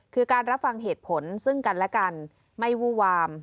คือการรับฟังเหตุผลซึ่งกันและกันไม่วู้วาม